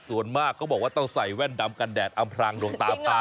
ส่วนมากก็บอกว่าต้องใส่แว่นดำกันแดดอำพรางดวงตาปลา